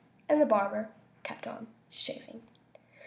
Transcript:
And the barber kept on shaving.